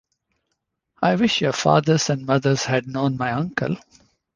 I wish your fathers and mothers had known my uncle.